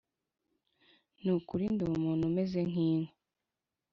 “ni ukuri ndi umuntu umeze nk’inka